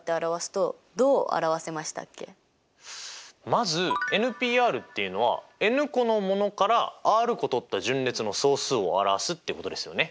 まずｎＰｒっていうのはｎ個のものからｒ個とった順列の総数を表すってことですよね。